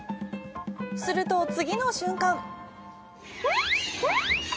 すると、次の瞬間。